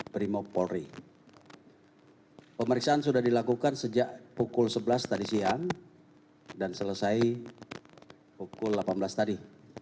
terima kasih sudah dilakukan sejak pukul sebelas tadi siang dan selesai pukul delapan belas tadi